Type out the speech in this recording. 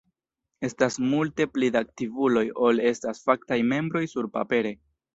Estas multe pli da aktivuloj ol estas faktaj membroj surpapere.